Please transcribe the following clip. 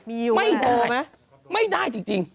ไม่ได้ไม่ได้จริง